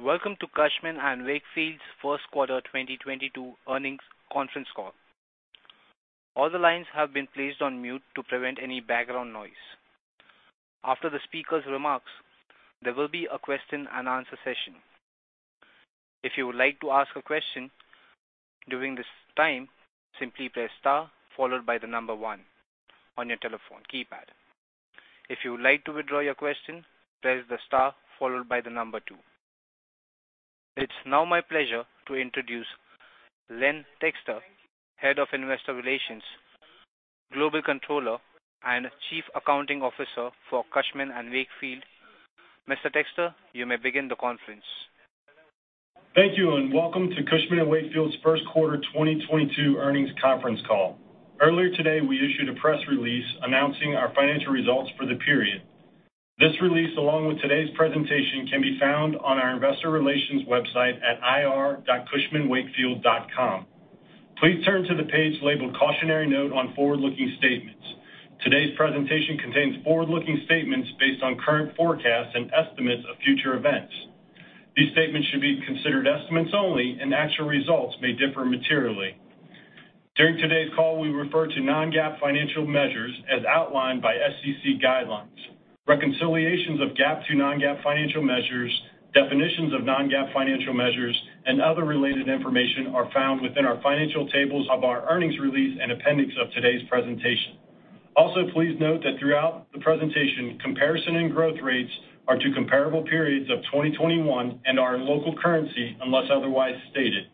Welcome to Cushman & Wakefield's first quarter 2022 earnings conference call. All the lines have been placed on mute to prevent any background noise. After the speaker's remarks, there will be a question and answer session. If you would like to ask a question during this time, simply press star followed by one on your telephone keypad. If you would like to withdraw your question, press the star followed by two. It's now my pleasure to introduce Len Texter, Head of Investor Relations, Global Controller, and Chief Accounting Officer for Cushman & Wakefield. Mr. Texter, you may begin the conference. Thank you, and welcome to Cushman & Wakefield's first quarter 2022 earnings conference call. Earlier today, we issued a press release announcing our financial results for the period. This release, along with today's presentation, can be found on our investor relations website at ir.cushmanwakefield.com. Please turn to the page labeled Cautionary Note on Forward-Looking Statements. Today's presentation contains forward-looking statements based on current forecasts and estimates of future events. These statements should be considered estimates only, and actual results may differ materially. During today's call, we refer to non-GAAP financial measures as outlined by SEC guidelines. Reconciliations of GAAP to non-GAAP financial measures, definitions of non-GAAP financial measures, and other related information are found within our financial tables of our earnings release and appendix of today's presentation. Also, please note that throughout the presentation, comparison and growth rates are to comparable periods of 2021 and our local currency unless otherwise stated.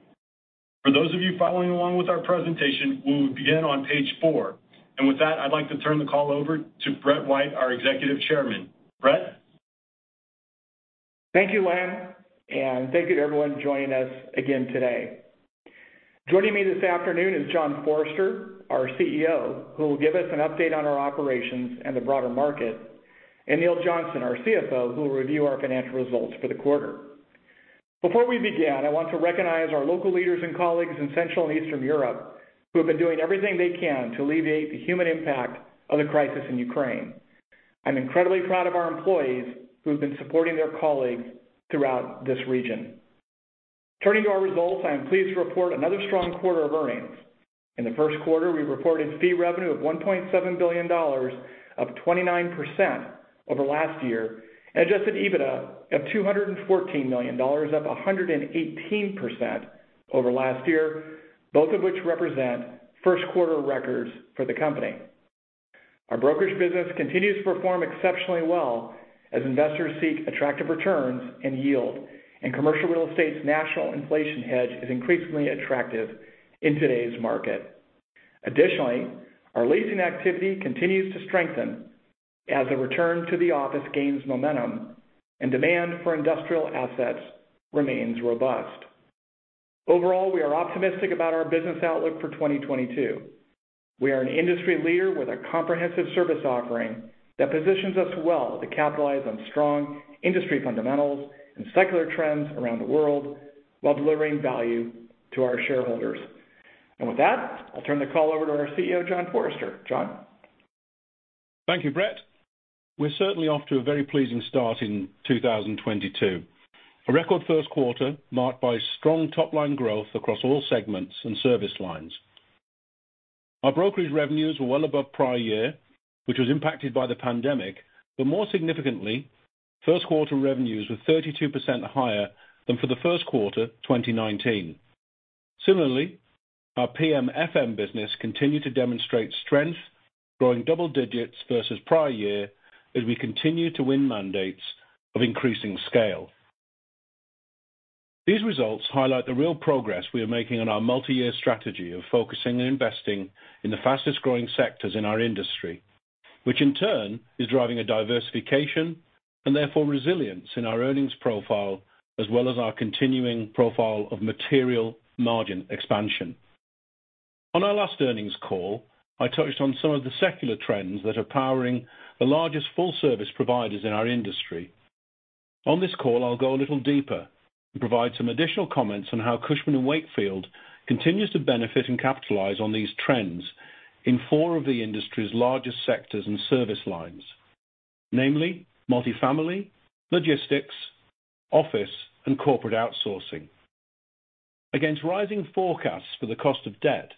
For those of you following along with our presentation, we will begin on page four. With that, I'd like to turn the call over to Brett White, our Executive Chairman. Brett? Thank you, Len, and thank you to everyone joining us again today. Joining me this afternoon is John Forrester, our CEO, who will give us an update on our operations and the broader market, and Neil Johnston, our CFO, who will review our financial results for the quarter. Before we begin, I want to recognize our local leaders and colleagues in Central and Eastern Europe who have been doing everything they can to alleviate the human impact of the crisis in Ukraine. I'm incredibly proud of our employees who have been supporting their colleagues throughout this region. Turning to our results, I am pleased to report another strong quarter of earnings. In the first quarter, we reported fee revenue of $1.7 billion, up 29% over last year, and adjusted EBITDA of $214 million, up 118% over last year, both of which represent first quarter records for the company. Our brokerage business continues to perform exceptionally well as investors seek attractive returns and yield, and commercial real estate's national inflation hedge is increasingly attractive in today's market. Additionally, our leasing activity continues to strengthen as a return to the office gains momentum and demand for industrial assets remains robust. Overall, we are optimistic about our business outlook for 2022. We are an industry leader with a comprehensive service offering that positions us well to capitalize on strong industry fundamentals and secular trends around the world while delivering value to our shareholders. With that, I'll turn the call over to our CEO, John Forrester. John? Thank you, Brett. We're certainly off to a very pleasing start in 2022. A record first quarter marked by strong top-line growth across all segments and service lines. Our brokerage revenues were well above prior year, which was impacted by the pandemic, but more significantly, first quarter revenues were 32% higher than for the first quarter 2019. Similarly, our PMFM business continued to demonstrate strength, growing double digits versus prior year as we continue to win mandates of increasing scale. These results highlight the real progress we are making on our multi-year strategy of focusing and investing in the fastest-growing sectors in our industry, which in turn is driving a diversification and therefore resilience in our earnings profile as well as our continuing profile of material margin expansion. On our last earnings call, I touched on some of the secular trends that are powering the largest full-service providers in our industry. On this call, I'll go a little deeper and provide some additional comments on how Cushman & Wakefield continues to benefit and capitalize on these trends in four of the industry's largest sectors and service lines, namely multifamily, logistics, office, and corporate outsourcing. Against rising forecasts for the cost of debt,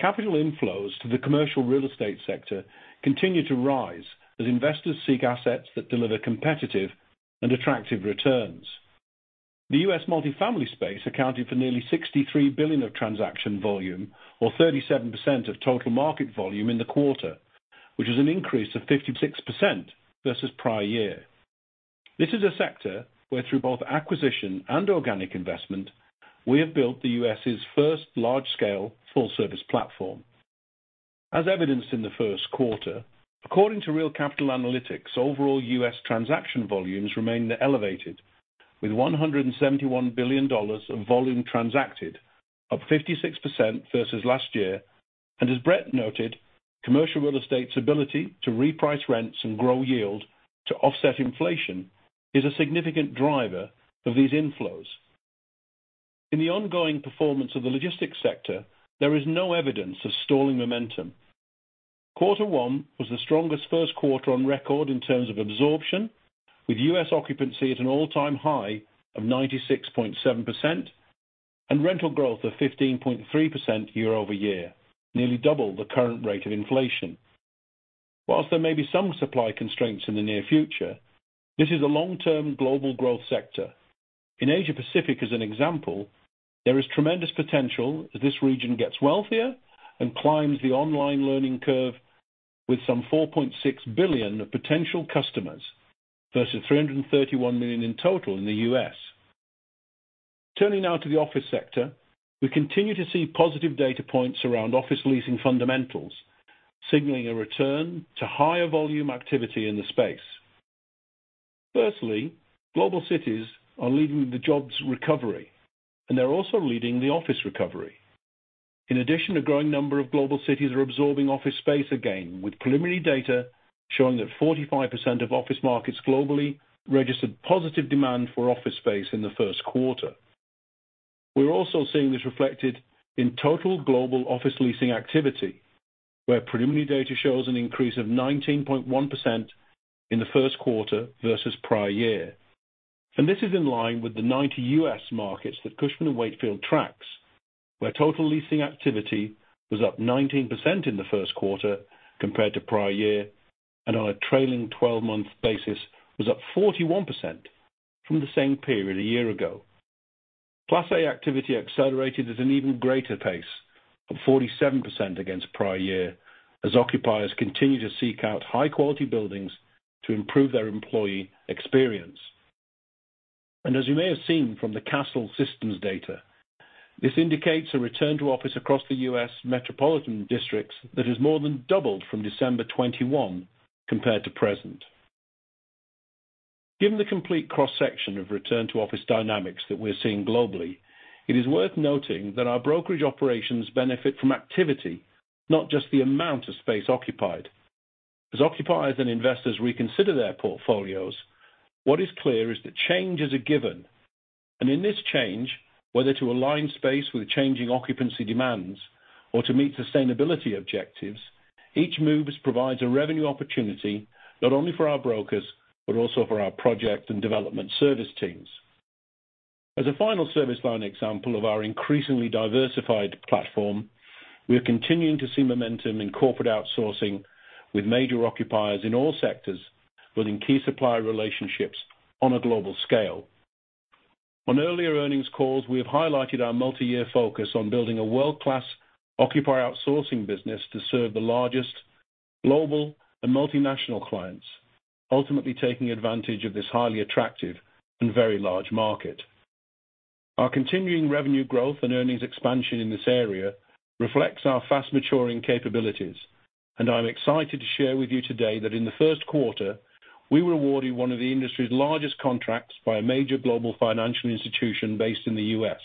capital inflows to the commercial real estate sector continue to rise as investors seek assets that deliver competitive and attractive returns. The U.S. multifamily space accounted for nearly $63 billion of transaction volume or 37% of total market volume in the quarter, which is an increase of 56% versus prior year. This is a sector where through both acquisition and organic investment, we have built the U.S.'s first large-scale full service platform. As evidenced in the first quarter, according to Real Capital Analytics, overall U.S. transaction volumes remained elevated with $171 billion of volume transacted, up 56% versus last year. As Brett noted, commercial real estate's ability to reprice rents and grow yield to offset inflation is a significant driver of these inflows. In the ongoing performance of the logistics sector, there is no evidence of stalling momentum. Quarter one was the strongest first quarter on record in terms of absorption, with U.S. occupancy at an all-time high of 96.7% and rental growth of 15.3% year-over-year, nearly double the current rate of inflation. While there may be some supply constraints in the near future, this is a long-term global growth sector. In Asia Pacific, as an example, there is tremendous potential as this region gets wealthier and climbs the online learning curve with some 4.6 billion potential customers versus 331 million in total in the US. Turning now to the office sector, we continue to see positive data points around office leasing fundamentals, signaling a return to higher volume activity in the space. Firstly, global cities are leading the jobs recovery, and they're also leading the office recovery. In addition, a growing number of global cities are absorbing office space again, with preliminary data showing that 45% of office markets globally registered positive demand for office space in the first quarter. We're also seeing this reflected in total global office leasing activity, where preliminary data shows an increase of 19.1% in the first quarter versus prior year. This is in line with the 90 U.S. markets that Cushman & Wakefield tracks, where total leasing activity was up 19% in the first quarter compared to prior year, and on a trailing twelve-month basis was up 41% from the same period a year ago. Plus, industrial activity accelerated at an even greater pace of 47% against prior year as occupiers continue to seek out high-quality buildings to improve their employee experience. As you may have seen from the Kastle Systems data, this indicates a return to office across the U.S. metropolitan districts that has more than doubled from December 2021 compared to present. Given the complete cross-section of return to office dynamics that we're seeing globally, it is worth noting that our brokerage operations benefit from activity, not just the amount of space occupied. As occupiers and investors reconsider their portfolios, what is clear is that change is a given. In this change, whether to align space with changing occupancy demands or to meet sustainability objectives, each move provides a revenue opportunity not only for our brokers, but also for our Project and Development Services teams. As a final service line example of our increasingly diversified platform, we are continuing to see momentum in corporate outsourcing with major occupiers in all sectors building key supplier relationships on a global scale. On earlier earnings calls, we have highlighted our multi-year focus on building a world-class occupier outsourcing business to serve the largest global and multinational clients, ultimately taking advantage of this highly attractive and very large market. Our continuing revenue growth and earnings expansion in this area reflects our fast maturing capabilities, and I'm excited to share with you today that in the first quarter, we were awarded one of the industry's largest contracts by a major global financial institution based in the U.S.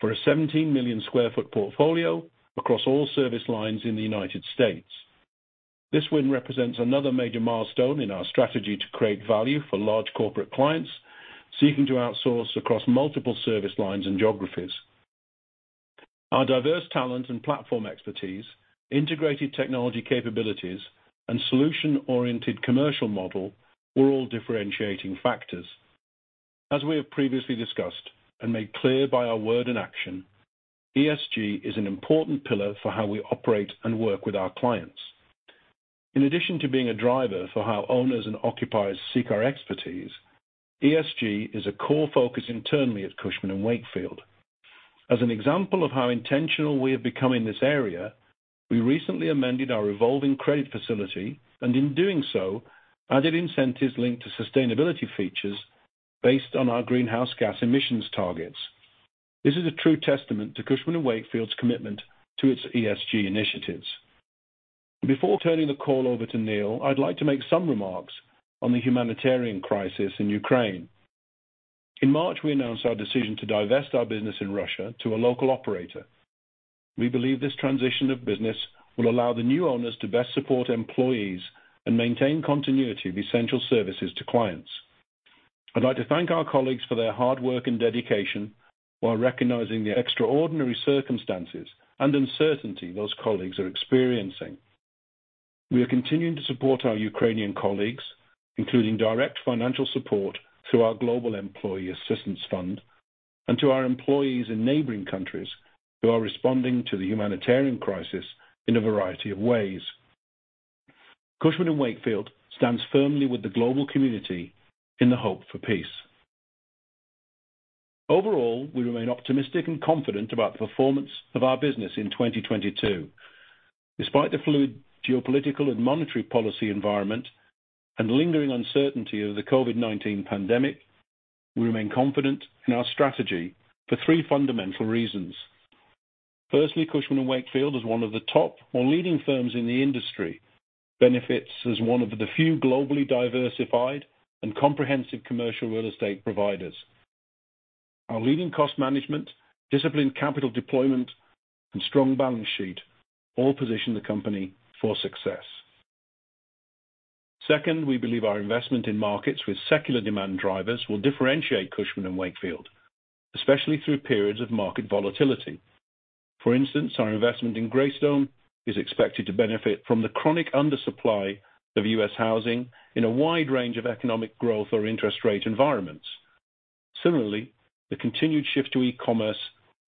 for a 17 million sq ft portfolio across all service lines in the United States. This win represents another major milestone in our strategy to create value for large corporate clients seeking to outsource across multiple service lines and geographies. Our diverse talent and platform expertise, integrated technology capabilities, and solution-oriented commercial model were all differentiating factors. As we have previously discussed and made clear by our word and action, ESG is an important pillar for how we operate and work with our clients. In addition to being a driver for how owners and occupiers seek our expertise, ESG is a core focus internally at Cushman & Wakefield. As an example of how intentional we have become in this area, we recently amended our revolving credit facility, and in doing so, added incentives linked to sustainability features based on our greenhouse gas emissions targets. This is a true testament to Cushman & Wakefield's commitment to its ESG initiatives. Before turning the call over to Neil, I'd like to make some remarks on the humanitarian crisis in Ukraine. In March, we announced our decision to divest our business in Russia to a local operator. We believe this transition of business will allow the new owners to best support employees and maintain continuity of essential services to clients. I'd like to thank our colleagues for their hard work and dedication while recognizing the extraordinary circumstances and uncertainty those colleagues are experiencing. We are continuing to support our Ukrainian colleagues, including direct financial support through our Global Employee Assistance Fund, and to our employees in neighboring countries who are responding to the humanitarian crisis in a variety of ways. Cushman & Wakefield stands firmly with the global community in the hope for peace. Overall, we remain optimistic and confident about the performance of our business in 2022. Despite the fluid geopolitical and monetary policy environment and lingering uncertainty of the COVID-19 pandemic, we remain confident in our strategy for three fundamental reasons. Firstly, Cushman & Wakefield is one of the top or leading firms in the industry, benefits as one of the few globally diversified and comprehensive commercial real estate providers. Our leading cost management, disciplined capital deployment, and strong balance sheet all position the company for success. Second, we believe our investment in markets with secular demand drivers will differentiate Cushman & Wakefield, especially through periods of market volatility. For instance, our investment in Greystone is expected to benefit from the chronic undersupply of U.S. housing in a wide range of economic growth or interest rate environments. Similarly, the continued shift to e-commerce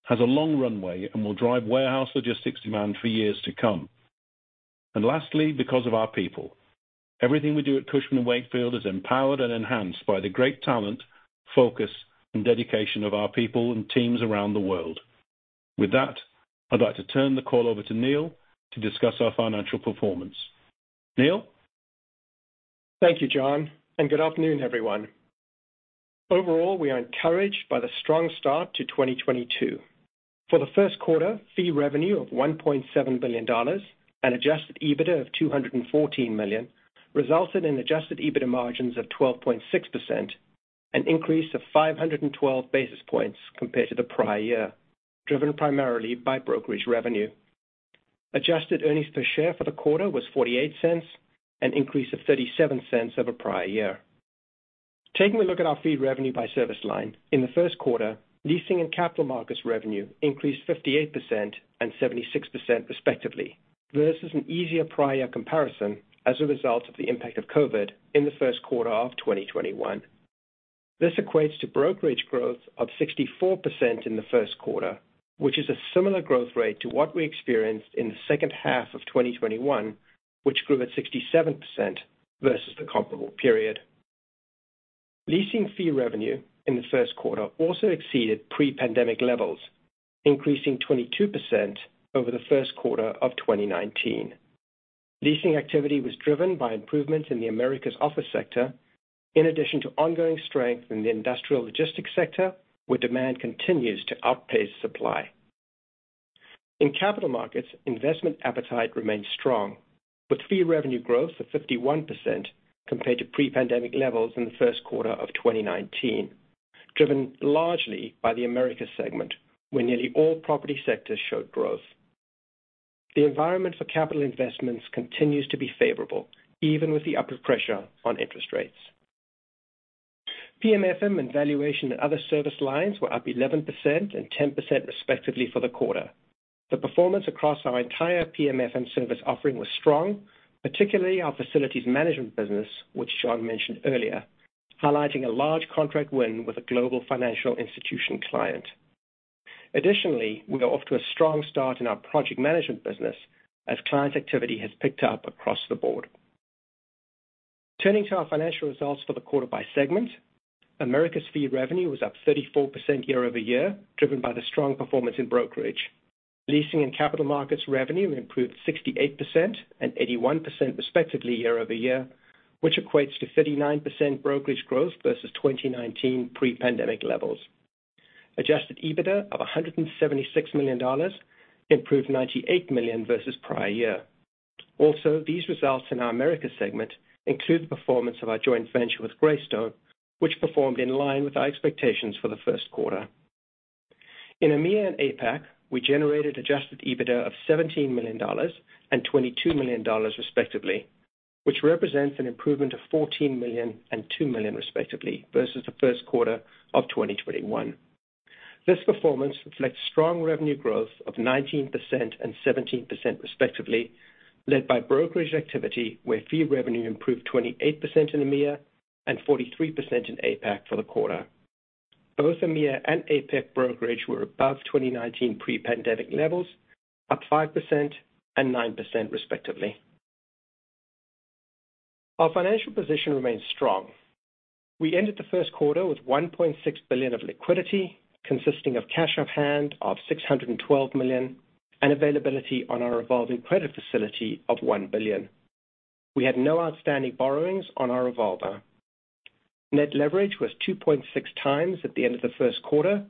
has a long runway and will drive warehouse logistics demand for years to come. Lastly, because of our people. Everything we do at Cushman & Wakefield is empowered and enhanced by the great talent, focus, and dedication of our people and teams around the world. With that, I'd like to turn the call over to Neil to discuss our financial performance. Neil? Thank you, John, and good afternoon, everyone. Overall, we are encouraged by the strong start to 2022. For the first quarter, fee revenue of $1.7 billion and adjusted EBITDA of $214 million resulted in adjusted EBITDA margins of 12.6%, an increase of 512 basis points compared to the prior year, driven primarily by brokerage revenue. Adjusted earnings per share for the quarter was $0.48, an increase of $0.37 over prior year. Taking a look at our fee revenue by service line, in the first quarter, leasing and capital markets revenue increased 58% and 76% respectively. This is an easier prior comparison as a result of the impact of COVID in the first quarter of 2021. This equates to brokerage growth of 64% in the first quarter, which is a similar growth rate to what we experienced in the second half of 2021, which grew at 67% versus the comparable period. Leasing fee revenue in the first quarter also exceeded pre-pandemic levels, increasing 22% over the first quarter of 2019. Leasing activity was driven by improvements in the Americas office sector, in addition to ongoing strength in the industrial logistics sector, where demand continues to outpace supply. In capital markets, investment appetite remains strong, with fee revenue growth of 51% compared to pre-pandemic levels in the first quarter of 2019, driven largely by the Americas segment, where nearly all property sectors showed growth. The environment for capital investments continues to be favorable, even with the upward pressure on interest rates. PMFM and valuation and other service lines were up 11% and 10% respectively for the quarter. The performance across our entire PMFM service offering was strong, particularly our facilities management business, which John mentioned earlier, highlighting a large contract win with a global financial institution client. Additionally, we are off to a strong start in our project management business as client activity has picked up across the board. Turning to our financial results for the quarter by segment. Americas fee revenue was up 34% year-over-year, driven by the strong performance in brokerage. Leasing and Capital Markets revenue improved 68% and 81% respectively year-over-year, which equates to 39% brokerage growth versus 2019 pre-pandemic levels. Adjusted EBITDA of $176 million improved $98 million versus prior year. Also, these results in our Americas segment include the performance of our joint venture with Greystone, which performed in line with our expectations for the first quarter. In EMEA and APAC, we generated adjusted EBITDA of $17 million and $22 million respectively, which represents an improvement of $14 million and $2 million respectively versus the first quarter of 2021. This performance reflects strong revenue growth of 19% and 17% respectively, led by brokerage activity, where fee revenue improved 28% in EMEA and 43% in APAC for the quarter. Both EMEA and APAC brokerage were above 2019 pre-pandemic levels, up 5% and 9% respectively. Our financial position remains strong. We ended the first quarter with $1.6 billion of liquidity, consisting of cash on hand of $612 million and availability on our revolving credit facility of $1 billion. We had no outstanding borrowings on our revolver. Net leverage was 2.6x at the end of the first quarter,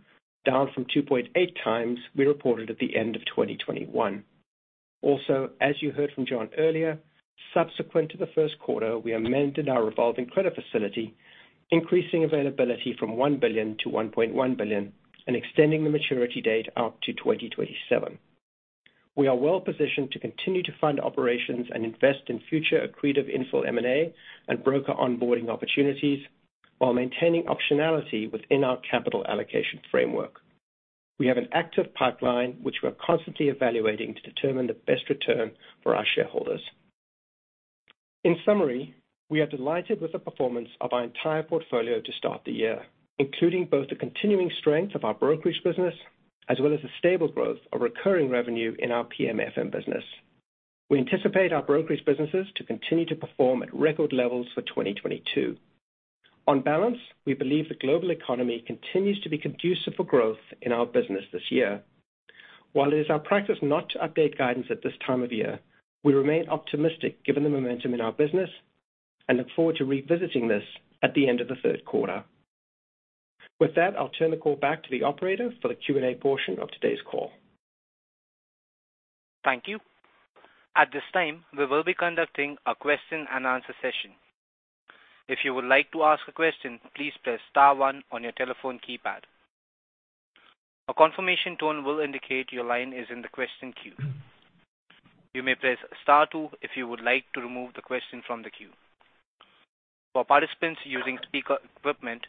down from 2.8x we reported at the end of 2021. As you heard from John earlier, subsequent to the first quarter, we amended our revolving credit facility, increasing availability from $1 billion to $1.1 billion and extending the maturity date out to 2027. We are well positioned to continue to fund operations and invest in future accretive infill M&A and broker onboarding opportunities while maintaining optionality within our capital allocation framework. We have an active pipeline which we are constantly evaluating to determine the best return for our shareholders. In summary, we are delighted with the performance of our entire portfolio to start the year, including both the continuing strength of our brokerage business as well as the stable growth of recurring revenue in our PMFM business. We anticipate our brokerage businesses to continue to perform at record levels for 2022. On balance, we believe the global economy continues to be conducive for growth in our business this year. While it is our practice not to update guidance at this time of year, we remain optimistic given the momentum in our business and look forward to revisiting this at the end of the third quarter. With that, I'll turn the call back to the operator for the Q&A portion of today's call. Thank you. At this time, we will be conducting a question and answer session. If you would like to ask a question, please press star one on your telephone keypad. A confirmation tone will indicate your line is in the question queue. You may press star two if you would like to remove the question from the queue. For participants using speaker equipment,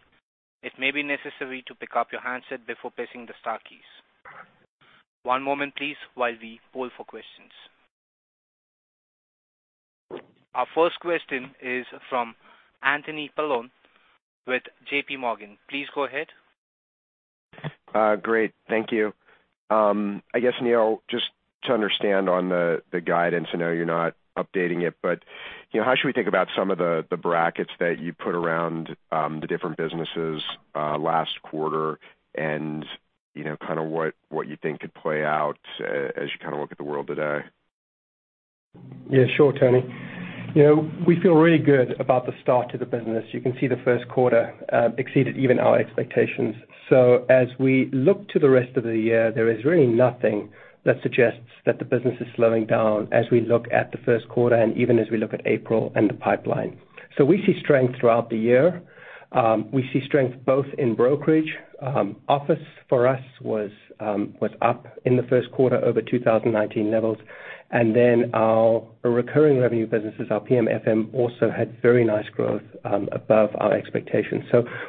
it may be necessary to pick up your handset before pressing the star keys. One moment please while we poll for questions. Our first question is from Anthony Paolone with JPMorgan. Please go ahead. Great. Thank you. I guess, Neil, just to understand on the guidance, I know you're not updating it, but, you know, how should we think about some of the brackets that you put around the different businesses last quarter and, you know, kinda what you think could play out as you kinda look at the world today? Yeah, sure, Anthony. You know, we feel really good about the start to the business. You can see the first quarter exceeded even our expectations. As we look to the rest of the year, there is really nothing that suggests that the business is slowing down as we look at the first quarter and even as we look at April and the pipeline. We see strength throughout the year. We see strength both in brokerage. Office for us was up in the first quarter over 2019 levels. Our recurring revenue businesses, our PMFM, also had very nice growth above our expectations.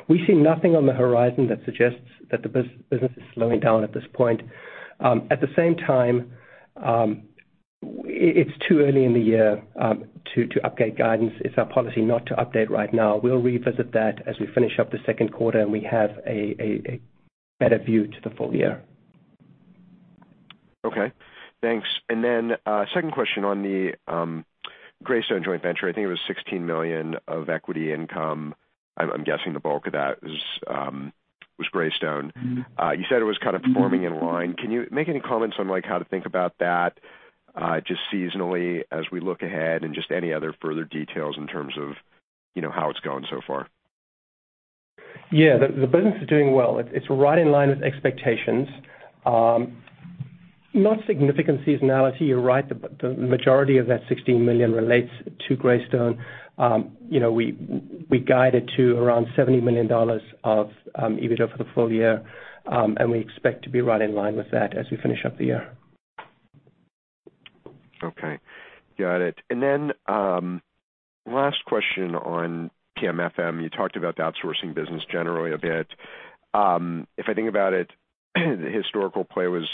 We see nothing on the horizon that suggests that the business is slowing down at this point. At the same time, it's too early in the year to update guidance. It's our policy not to update right now. We'll revisit that as we finish up the second quarter, and we have a better view to the full year. Okay. Thanks. Second question on the Greystone joint venture. I think it was $16 million of equity income. I'm guessing the bulk of that was Greystone. Mm-hmm. You said it was kind of performing in line. Can you make any comments on, like, how to think about that, just seasonally as we look ahead and just any other further details in terms of, you know, how it's going so far? Yeah. The business is doing well. It's right in line with expectations. Not significant seasonality. You're right, the majority of that $16 million relates to Greystone. You know, we guided to around $70 million of EBITDA for the full year. We expect to be right in line with that as we finish up the year. Okay. Got it. Last question on PMFM. You talked about the outsourcing business generally a bit. If I think about it, the historical play was,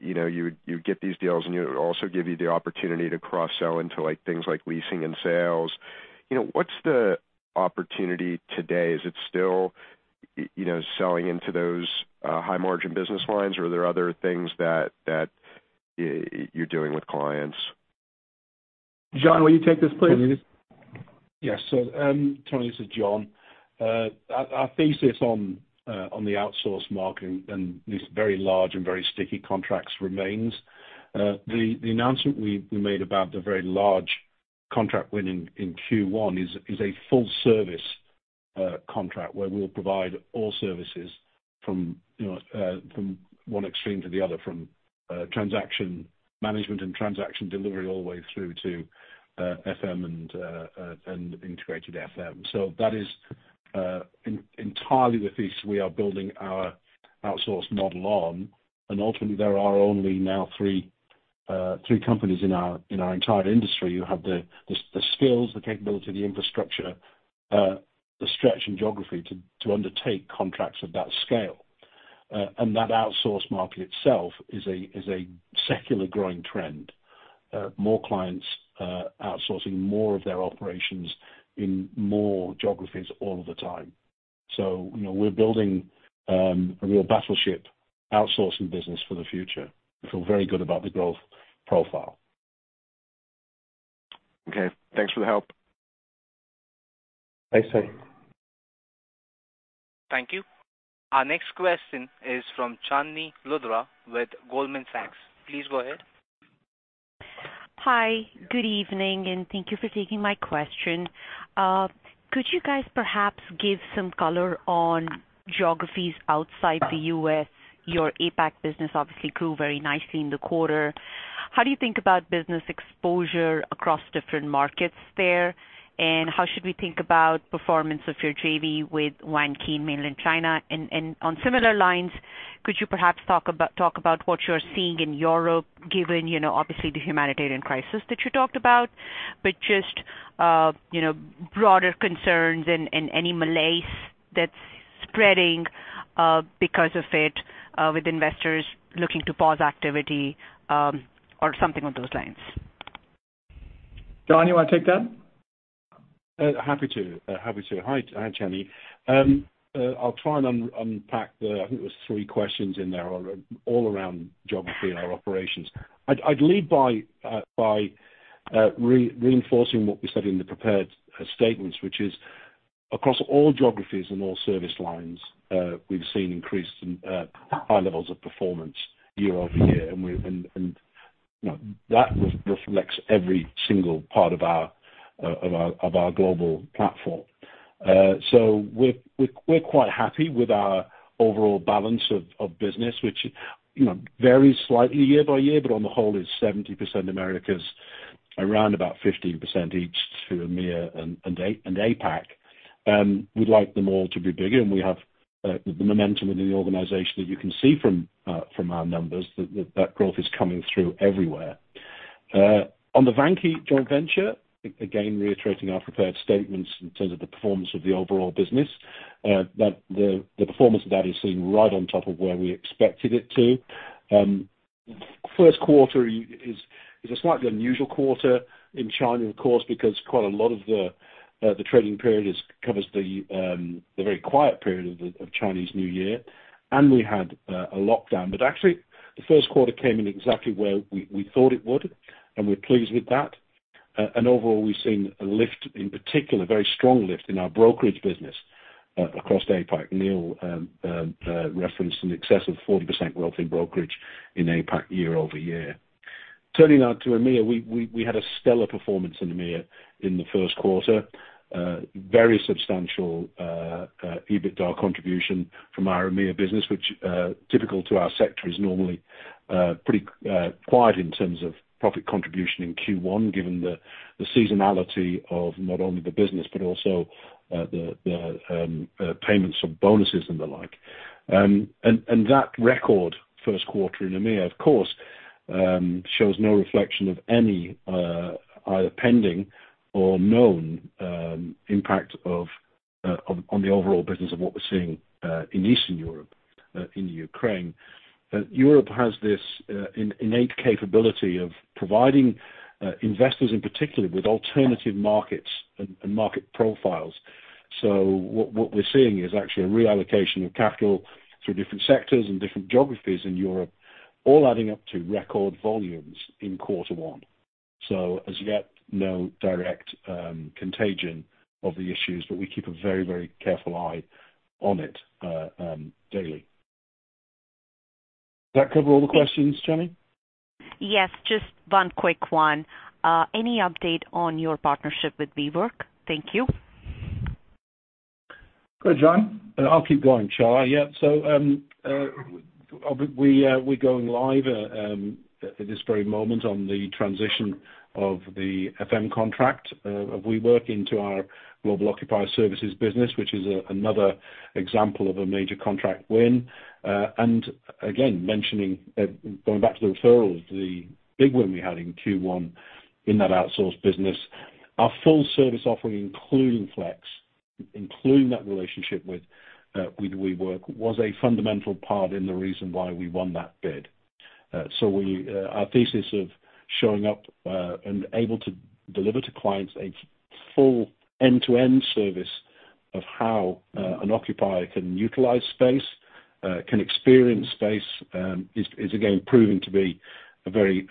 you know, you would, you'd get these deals, and it would also give you the opportunity to cross-sell into, like, things like leasing and sales. You know, what's the opportunity today? Is it still, you know, selling into those high margin business lines, or are there other things that you're doing with clients? John, will you take this, please? Yes. Anthony, this is John. Our thesis on the outsource market and these very large and very sticky contracts remains. The announcement we made about the very large contract winning in Q1 is a full service contract where we'll provide all services from one extreme to the other, from transaction management and transaction delivery all the way through to FM and integrated FM. That is entirely the thesis we are building our outsource model on. Ultimately, there are only now three companies in our entire industry who have the skills, the capability, the infrastructure, the stretch in geography to undertake contracts of that scale. That outsource market itself is a secular growing trend. more clients outsourcing more of their operations in more geographies all of the time. You know, we're building a real battleship outsourcing business for the future. We feel very good about the growth profile. Okay. Thanks for the help. Thanks, Anthony. Thank you. Our next question is from Chandni Luthra with Goldman Sachs. Please go ahead. Hi. Good evening, and thank you for taking my question. Could you guys perhaps give some color on geographies outside the U.S.? Your APAC business obviously grew very nicely in the quarter. How do you think about business exposure across different markets there? And how should we think about performance of your JV with Vanke in mainland China? And on similar lines, could you perhaps talk about what you're seeing in Europe given you know obviously the humanitarian crisis that you talked about, but just you know broader concerns and any malaise that's spreading because of it with investors looking to pause activity or something of those lines? John, you wanna take that? Happy to. Hi, Chandni. I'll try and unpack the, I think it was three questions in there all around geography and our operations. I'd lead by reinforcing what we said in the prepared statements, which is across all geographies and all service lines, we've seen increased and high levels of performance year-over-year. You know, that reflects every single part of our global platform. So we're quite happy with our overall balance of business, which, you know, varies slightly year by year, but on the whole is 70% Americas. Around about 15% each to EMEA and APAC. We'd like them all to be bigger, and we have the momentum in the organization that you can see from our numbers that growth is coming through everywhere. On the Vanke joint venture, reiterating our prepared statements in terms of the performance of the overall business, that the performance of that is sitting right on top of where we expected it to. First quarter is a slightly unusual quarter in China, of course, because quite a lot of the trading period covers the very quiet period of the Chinese New Year, and we had a lockdown. Actually the first quarter came in exactly where we thought it would, and we're pleased with that. Overall, we've seen a lift, in particular, a very strong lift in our brokerage business across APAC. Neil referenced an excess of 40% growth in brokerage in APAC year-over-year. Turning now to EMEA. We had a stellar performance in EMEA in the first quarter. Very substantial EBITDA contribution from our EMEA business, which, typical to our sector, is normally pretty quiet in terms of profit contribution in Q1, given the seasonality of not only the business but also the payments of bonuses and the like. That record first quarter in EMEA, of course, shows no reflection of any either pending or known impact on the overall business of what we're seeing in Eastern Europe in Ukraine. Europe has this innate capability of providing investors in particular with alternative markets and market profiles. What we're seeing is actually a reallocation of capital through different sectors and different geographies in Europe, all adding up to record volumes in quarter one. As yet, no direct contagion of the issues, but we keep a very, very careful eye on it daily. Does that cover all the questions, Chandni? Yes, just one quick one. Any update on your partnership with WeWork? Thank you. Go ahead, John. I'll keep going, Chandni. Yeah. We're going live at this very moment on the transition of the FM contract of WeWork into our Global Occupier Services business, which is another example of a major contract win. Again, mentioning going back to the referrals, the big win we had in Q1 in that outsource business. Our full service offering, including Flex, including that relationship with WeWork, was a fundamental part in the reason why we won that bid. Our thesis of showing up and able to deliver to clients a full end-to-end service of how an occupier can utilize space, can experience space is again proving to be a very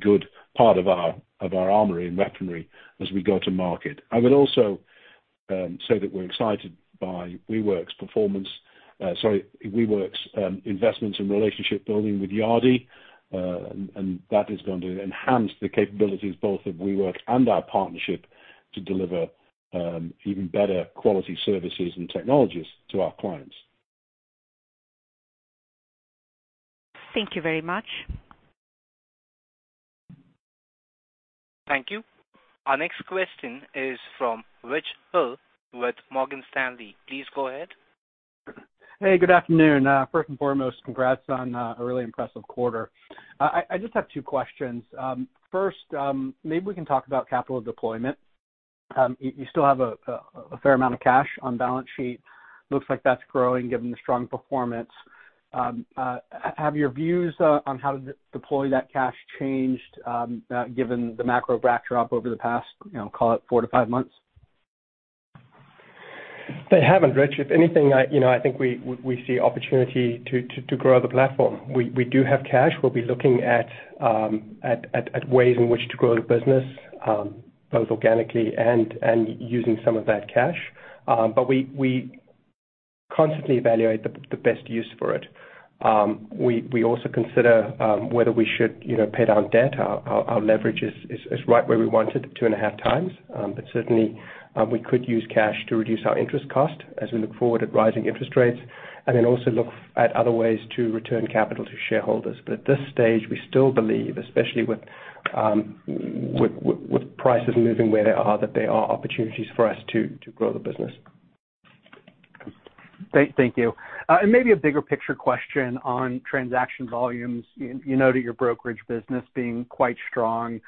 good part of our armory and weaponry as we go to market. I would also say that we're excited by WeWork's investments in relationship building with Yardi. That is going to enhance the capabilities both of WeWork and our partnership to deliver even better quality services and technologies to our clients. Thank you very much. Thank you. Our next question is from Rich Hill with Morgan Stanley. Please go ahead. Hey, good afternoon. First and foremost, congrats on a really impressive quarter. I just have two questions. First, maybe we can talk about capital deployment. You still have a fair amount of cash on balance sheet. Looks like that's growing given the strong performance. Have your views on how to deploy that cash changed given the macro backdrop over the past, you know, call it four-five months? They haven't, Rich. If anything, you know, I think we see opportunity to grow the platform. We do have cash. We'll be looking at ways in which to grow the business, both organically and using some of that cash. We constantly evaluate the best use for it. We also consider whether we should, you know, pay down debt. Our leverage is right where we want it, 2.5x. Certainly, we could use cash to reduce our interest cost as we look forward at rising interest rates and then also look at other ways to return capital to shareholders. At this stage, we still believe, especially with prices moving where they are, that there are opportunities for us to grow the business. Thank you. Maybe a bigger picture question on transaction volumes. You know that your brokerage business being quite strong.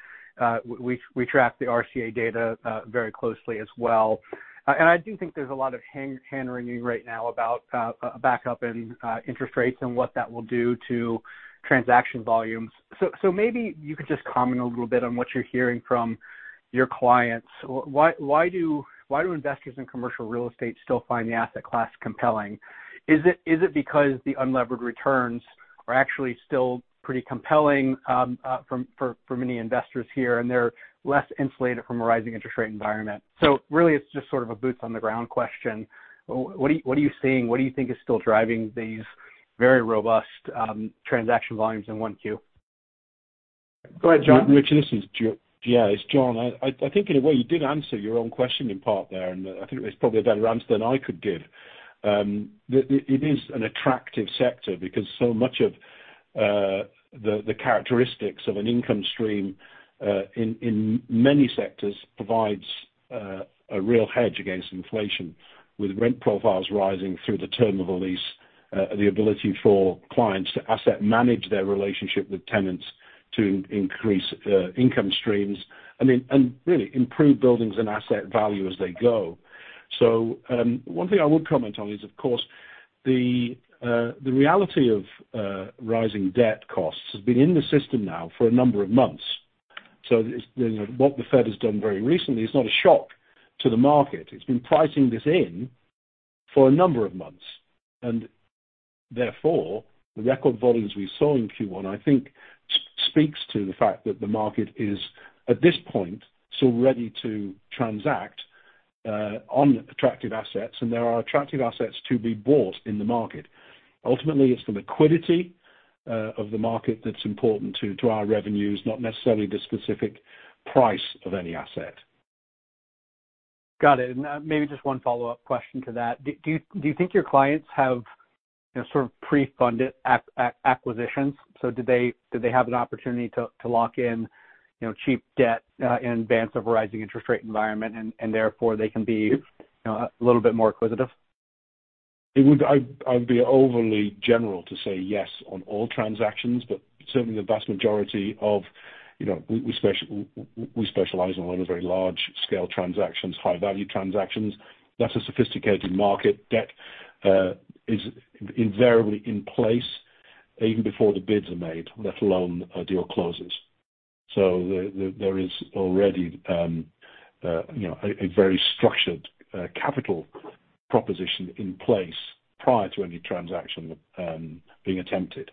We track the RCA data very closely as well. I do think there's a lot of hand-wringing right now about a backup in interest rates and what that will do to transaction volumes. Maybe you could just comment a little bit on what you're hearing from your clients. Why do investors in commercial real estate still find the asset class compelling? Is it because the unlevered returns are actually still pretty compelling for many investors here, and they're less insulated from a rising interest rate environment? Really, it's just sort of a boots on the ground question. What are you seeing? What do you think is still driving these very robust, transaction volumes in 1Q? Go ahead, John. Rich, this is John. I think in a way you did answer your own question in part there, and I think it was probably a better answer than I could give. It is an attractive sector because so much of the characteristics of an income stream in many sectors provides a real hedge against inflation with rent profiles rising through the term of a lease, the ability for clients to asset manage their relationship with tenants to increase income streams. I mean, and really improve buildings and asset value as they go. One thing I would comment on is, of course, the reality of rising debt costs has been in the system now for a number of months. It's, you know, what the Fed has done very recently is not a shock to the market. It's been pricing this in for a number of months. Therefore, the record volumes we saw in Q1, I think speaks to the fact that the market is, at this point, still ready to transact on attractive assets, and there are attractive assets to be bought in the market. Ultimately, it's the liquidity of the market that's important to our revenues, not necessarily the specific price of any asset. Got it. Maybe just one follow-up question to that. Do you think your clients have, you know, sort of pre-funded acquisitions? Did they have an opportunity to lock in, you know, cheap debt in advance of a rising interest rate environment and therefore they can be, you know, a little bit more acquisitive? It would be overly general to say yes on all transactions, but certainly the vast majority of, you know, we specialize in a lot of very large scale transactions, high value transactions. That's a sophisticated market. Debt is invariably in place even before the bids are made, let alone a deal closes. There is already, you know, a very structured capital proposition in place prior to any transaction being attempted.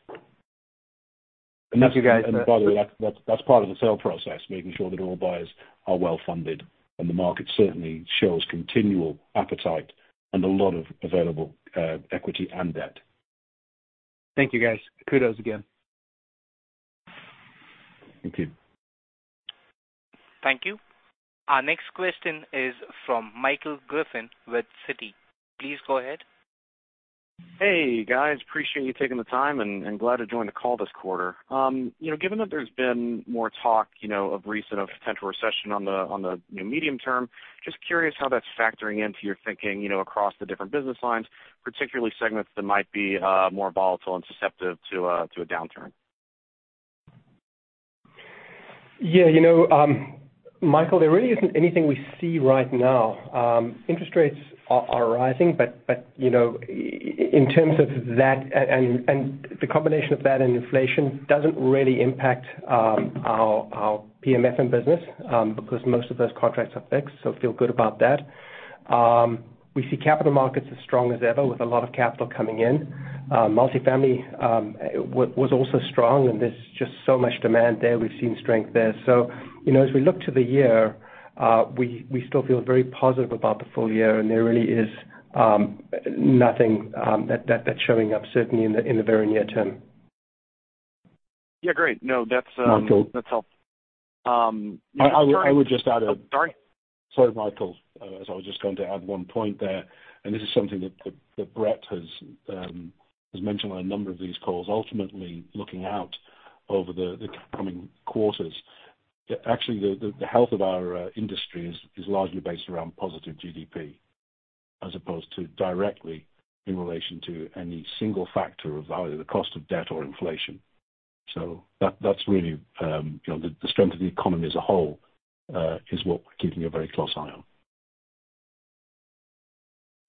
Thank you, guys. By the way, that's part of the sale process, making sure that all buyers are well-funded, and the market certainly shows continual appetite and a lot of available equity and debt. Thank you, guys. Kudos again. Thank you. Thank you. Our next question is from Michael Griffin with Citi. Please go ahead. Hey, guys, appreciate you taking the time and glad to join the call this quarter. You know, given that there's been more talk of recent potential recession on the, you know, medium term, just curious how that's factoring into your thinking, you know, across the different business lines, particularly segments that might be more volatile and susceptible to a downturn. Yeah, you know, Michael, there really isn't anything we see right now. Interest rates are rising, but you know, in terms of that and the combination of that and inflation doesn't really impact our PMFM business because most of those contracts are fixed, so feel good about that. We see Capital Markets as strong as ever with a lot of capital coming in. Multifamily was also strong, and there's just so much demand there. We've seen strength there. You know, as we look to the year, we still feel very positive about the full year, and there really is nothing that's showing up certainly in the very near term. Yeah, great. No, that's. Michael? That's all. Sorry. I would just add a- Sorry? Sorry, Michael. As I was just going to add one point there, and this is something that Brett has mentioned on a number of these calls. Ultimately, looking out over the coming quarters, actually the health of our industry is largely based around positive GDP as opposed to directly in relation to any single factor of either the cost of debt or inflation. That's really, you know, the strength of the economy as a whole is what we're keeping a very close eye on.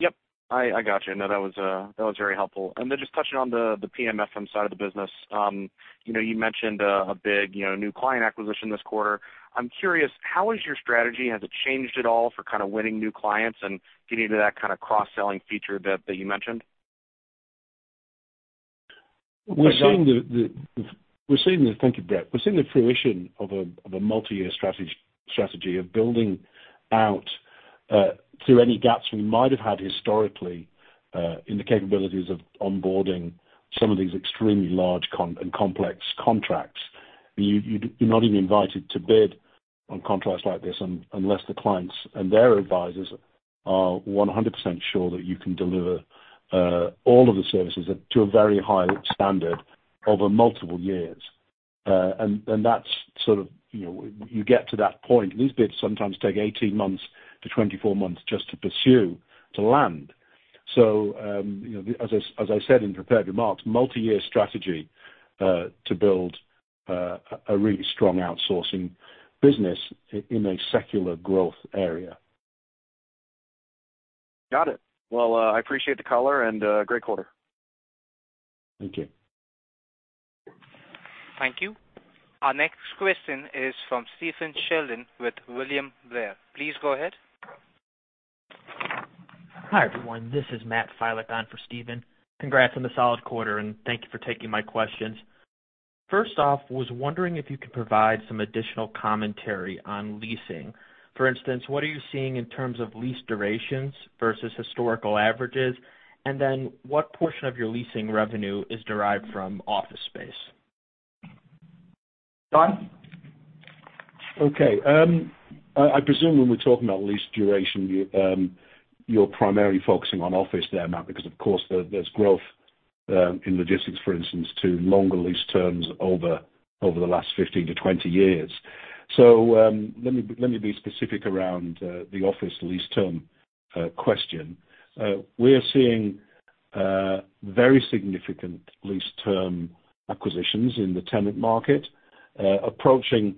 Yep. I got you. No, that was very helpful. Then just touching on the PMFM side of the business. You know, you mentioned a big, you know, new client acquisition this quarter. I'm curious, how has your strategy, has it changed at all for kind of winning new clients and getting to that kind of cross-selling feature that you mentioned? Thank you, Brett. We're seeing the fruition of a multi-year strategy of building out through any gaps we might have had historically in the capabilities of onboarding some of these extremely large complex contracts. You're not even invited to bid on contracts like this unless the clients and their advisors are 100% sure that you can deliver all of the services to a very high standard over multiple years. That's sort of, you know, you get to that point. These bids sometimes take 18 months to 24 months just to pursue to land. You know, as I said in prepared remarks, multi-year strategy to build a really strong outsourcing business in a secular growth area. Got it. Well, I appreciate the color and great quarter. Thank you. Thank you. Our next question is from Steven Sheldon with William Blair. Please go ahead. Hi, everyone. This is Matt Filak on for Steven. Congrats on the solid quarter, and thank you for taking my questions. First off, was wondering if you could provide some additional commentary on leasing. For instance, what are you seeing in terms of lease durations versus historical averages? And then what portion of your leasing revenue is derived from office space? John? Okay. I presume when we're talking about lease duration, you're primarily focusing on office there, Matt, because of course there's growth in logistics, for instance, to longer lease terms over the last 15-20 years. Let me be specific around the office lease term question. We're seeing very significant lease term acquisitions in the tenant market approaching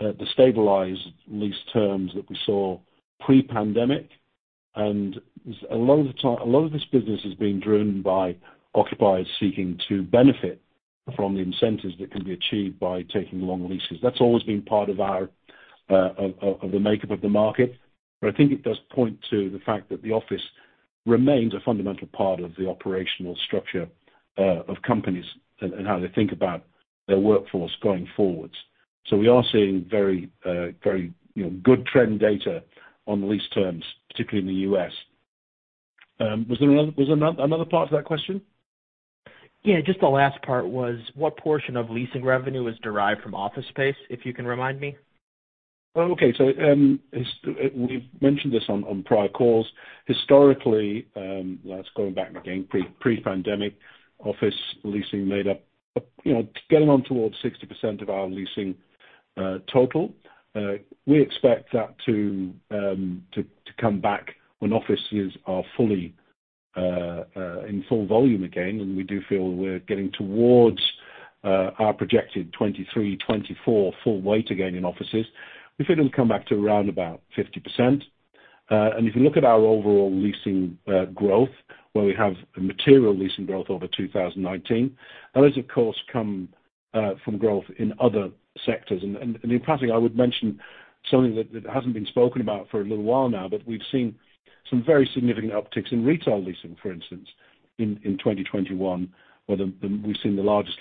the stabilized lease terms that we saw pre-pandemic. A lot of the time, a lot of this business is being driven by occupiers seeking to benefit from the incentives that can be achieved by taking long leases. That's always been part of our of the makeup of the market. I think it does point to the fact that the office remains a fundamental part of the operational structure of companies and how they think about their workforce going forward. We are seeing very you know good trend data on the lease terms, particularly in the U.S. Was there another part to that question? Yeah, just the last part was what portion of leasing revenue is derived from office space, if you can remind me? Okay. We've mentioned this on prior calls. Historically, that's going back again pre-pandemic office leasing made up, you know, getting on towards 60% of our leasing total. We expect that to come back when offices are fully in full volume again. We do feel we're getting towards our projected 2023, 2024 full weight again in offices. We think it'll come back to around about 50%. If you look at our overall leasing growth, where we have a material leasing growth over 2019, that is of course come from growth in other sectors. In passing, I would mention something that hasn't been spoken about for a little while now, but we've seen some very significant upticks in retail leasing, for instance, in 2021, where we've seen the largest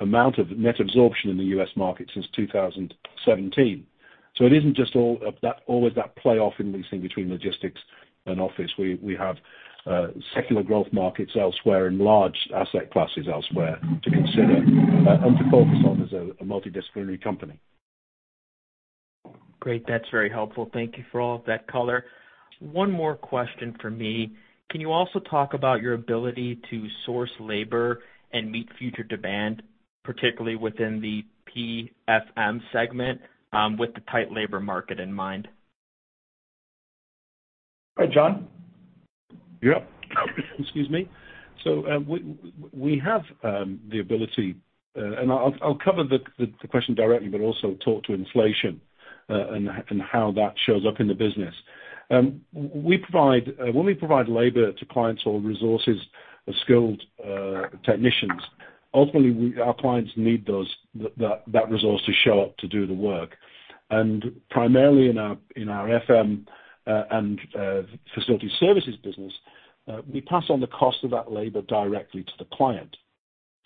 amount of net absorption in the U.S. market since 2017. It isn't just all of that, always that trade-off in leasing between logistics and office. We have secular growth markets elsewhere and large asset classes elsewhere to consider and to focus on as a multidisciplinary company. Great. That's very helpful. Thank you for all of that color. One more question for me. Can you also talk about your ability to source labor and meet future demand, particularly within the PMFM segment, with the tight labor market in mind? Hi, John. Yep. Excuse me. We have the ability, and I'll cover the question directly, but also talk to inflation, and how that shows up in the business. When we provide labor to clients or resources of skilled technicians, ultimately, our clients need that resource to show up to do the work. Primarily in our FM and facility services business, we pass on the cost of that labor directly to the client.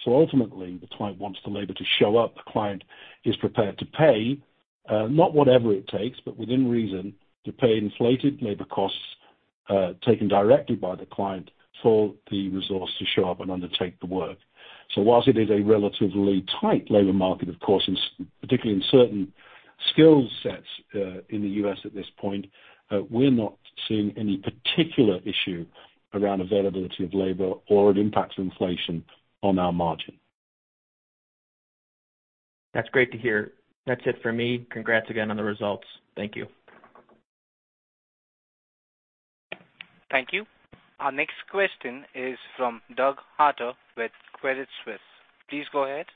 Ultimately, the client wants the labor to show up. The client is prepared to pay, not whatever it takes, but within reason, to pay inflated labor costs, taken directly by the client for the resource to show up and undertake the work. While it is a relatively tight labor market, of course, particularly in certain skill sets, in the U.S. at this point, we're not seeing any particular issue around availability of labor or an impact to inflation on our margin. That's great to hear. That's it for me. Congrats again on the results. Thank you. Thank you. Our next question is from Doug Harter with Credit Suisse. Please go ahead.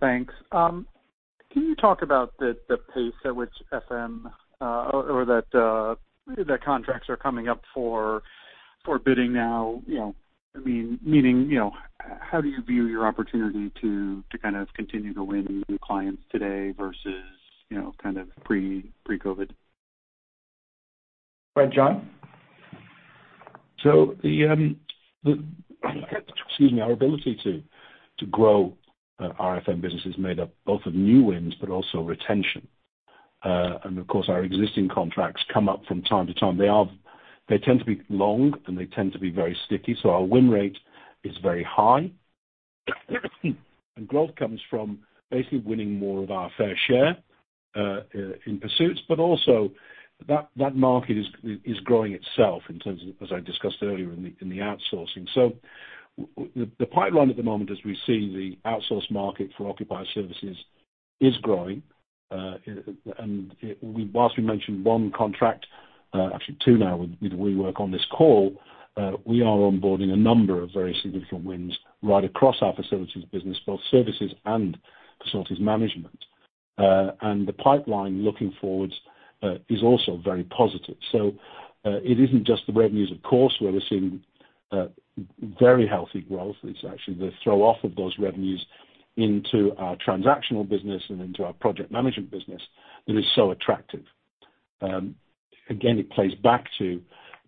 Thanks. Can you talk about the pace at which FM or that the contracts are coming up for bidding now? You know, I mean, meaning, you know, how do you view your opportunity to kind of continue to win new clients today versus, you know, kind of pre-COVID? Hi, John. Our ability to grow our FM business is made up both of new wins but also retention. Of course, our existing contracts come up from time to time. They tend to be long, and they tend to be very sticky, so our win rate is very high. Growth comes from basically winning more of our fair share in pursuits, but also that market is growing itself in terms of, as I discussed earlier, in the outsourcing. Well, the pipeline at the moment as we see the outsourcing market for occupier services is growing. Whilst we mentioned one contract, actually two now with WeWork on this call, we are onboarding a number of very significant wins right across our facilities business, both services and facilities management. The pipeline looking forward is also very positive. It isn't just the revenues, of course, where we're seeing very healthy growth. It's actually the throw off of those revenues into our transactional business and into our project management business that is so attractive. Again, it plays back to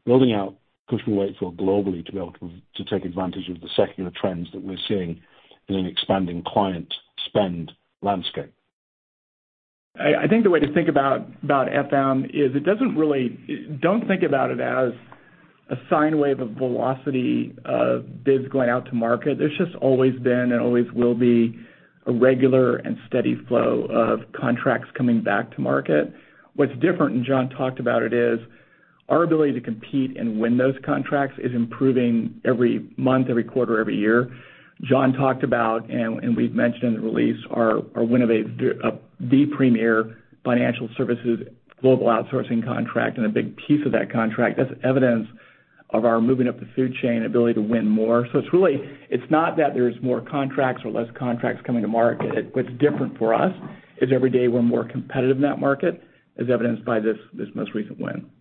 building out Cushman & Wakefield globally to be able to take advantage of the secular trends that we're seeing in an expanding client spend landscape. I think the way to think about FM is don't think about it as a sine wave of velocity of biz going out to market. There's just always been and always will be a regular and steady flow of contracts coming back to market. What's different, and John talked about it, is our ability to compete and win those contracts is improving every month, every quarter, every year. John talked about, and we've mentioned in the release our win of the premier financial services global outsourcing contract and a big piece of that contract. That's evidence of our moving up the food chain ability to win more. It's really, it's not that there's more contracts or less contracts coming to market. What's different for us is every day we're more competitive in that market, as evidenced by this most recent win. Thank you.